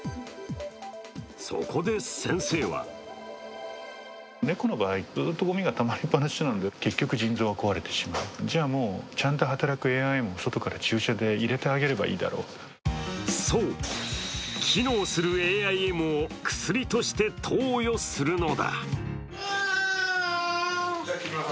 そこで先生はそう、機能するＡＩＭを薬として投与するのだ。